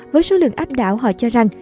với số lượng áp đảo họ cho rằng